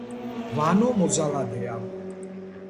ვანო მოძალადეა